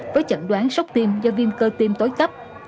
với chẩn đoán sốc tim do viêm cơ tim tối cấp